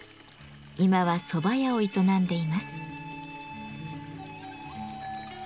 今はそば屋を営んでいます。